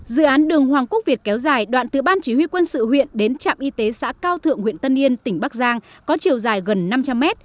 dự án đường hoàng quốc việt kéo dài đoạn từ ban chỉ huy quân sự huyện đến trạm y tế xã cao thượng huyện tân yên tỉnh bắc giang có chiều dài gần năm trăm linh mét